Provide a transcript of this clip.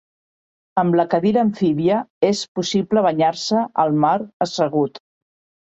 Amb la cadira amfíbia és possible banyar-se al mar assegut.